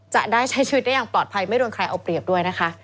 จะได้ใช้ชีวิตได้อย่างปลอดภัยไม่โดนใครเอาเปรียบด้วยนะคะ